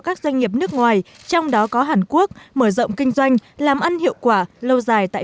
các doanh nghiệp nước ngoài trong đó có hàn quốc mở rộng kinh doanh làm ăn hiệu quả lâu dài tại